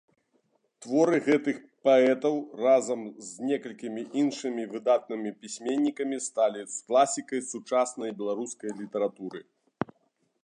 Творы гэтых паэтаў, разам з некалькімі іншымі выдатнымі пісьменнікамі, сталі класікай сучаснай беларускай літаратуры.